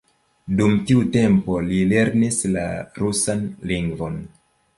Dum tiu tempo li lernis la rusan lingvon.